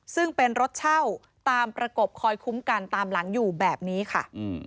ซึ่งเป็นรถเช่าตามประกบคอยคุ้มกันตามหลังอยู่แบบนี้ค่ะ